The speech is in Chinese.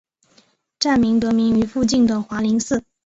站名得名于附近的华林寺。